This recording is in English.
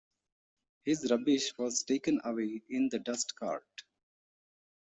His rubbish was taken away in the dustcart